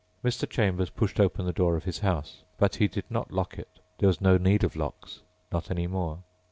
Mr. Chambers pushed open the door of his house. But he did not lock it. There was no need of locks ... not any more.